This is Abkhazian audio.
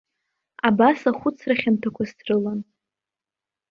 Абас ахәыцра хьанҭақәа срылан.